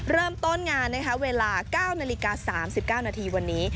เริ่มต้นงานนะคะเวลา๙นาฬิกา๓๙นาทีวันนี้